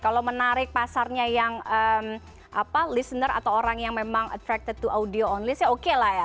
kalau menarik pasarnya yang listener atau orang yang memang attracted to audio onlys ya oke lah ya